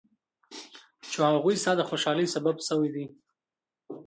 چې هغوی ستا د خوشحالۍ سبب شوي دي.